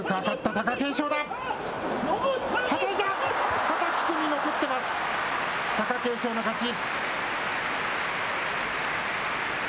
貴景勝の勝ち。